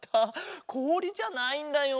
こおりじゃないんだよ。